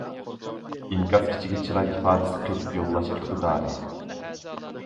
ئىنكاس ئىچىگە چىراي ئىپادىسى قېتىپ يوللاش ئىقتىدارى.